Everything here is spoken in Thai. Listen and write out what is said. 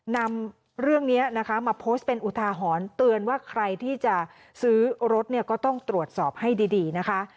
นำเรื่องนี้นะคะมาโพสต์เป็นอุทาหรณ์เตือนว่าใครที่จะซื้อรถเนี่ยก็ต้องตรวจสอบให้ดีนะคะ